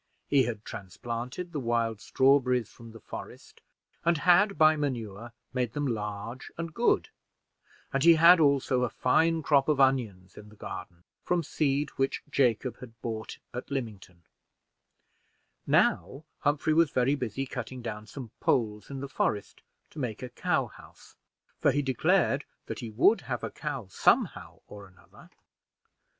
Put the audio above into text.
He had transplanted the wild strawberries from the forest, and had, by manure, made them large and good; and he had also a fine crop of onions in the garden, from seed which Jacob had bought at Lymington; now Humphrey was very busy cutting down some poles in the forest to make a cow house, for he declared that he would have a cow somehow or another.